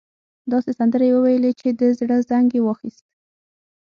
داسې سندرې يې وويلې چې د زړه زنګ يې واخيست.